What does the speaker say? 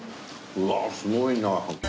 うわっすごいな。